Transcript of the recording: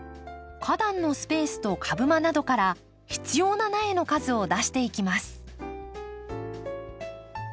花壇のスペースと株間などから必要な苗の数を出していきます。